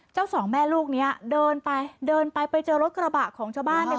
สองแม่ลูกเนี้ยเดินไปเดินไปไปเจอรถกระบะของชาวบ้านเนี่ย